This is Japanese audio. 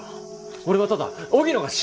俺はただ荻野が心配で。